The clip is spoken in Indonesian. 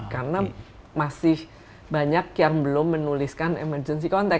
karena masih banyak yang belum menuliskan emergency contact